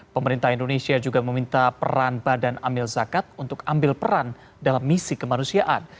pemerintah indonesia juga meminta peran badan amil zakat untuk ambil peran dalam misi kemanusiaan